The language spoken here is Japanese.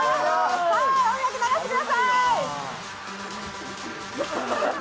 音楽流してください！